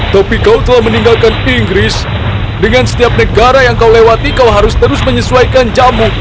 tapi kau telah meninggalkan inggris dengan setiap negara yang kau lewati kau harus terus menyesuaikan jamu